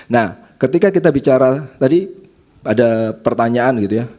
nah ketika kita bicara tadi ada pertanyaan gitu ya